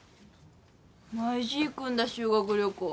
マジ行くんだ修学旅行。